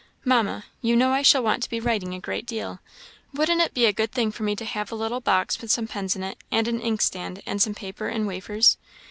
"Mamma, you know I shall want to be writing a great deal; wouldn't it be a good thing for me to have a little box with some pens in it, and an inkstand, and some paper and wafers?